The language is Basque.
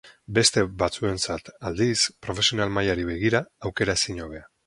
Beste batzuentzat, aldiz, profesional mailari begira, aukera ezin hobea.